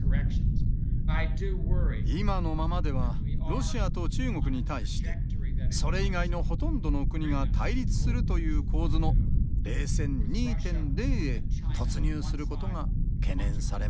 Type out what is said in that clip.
今のままではロシアと中国に対してそれ以外のほとんどの国が対立するという構図の冷戦２．０へ突入することが懸念されます。